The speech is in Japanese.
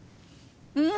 うん！